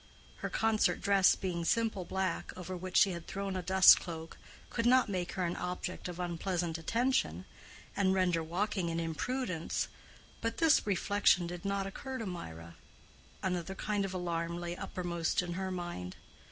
Her concert dress being simple black, over which she had thrown a dust cloak, could not make her an object of unpleasant attention, and render walking an imprudence; but this reflection did not occur to Mirah: another kind of alarm lay uppermost in her mind.